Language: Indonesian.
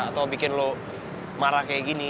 atau bikin lo marah kayak gini